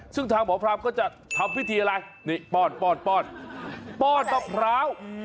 ซึ่งทางหมอพรามก็จะทำพิธีอะไรนี่ป้อนป้อนป้อนมะพร้าว